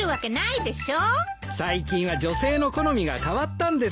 最近は女性の好みが変わったんですよ。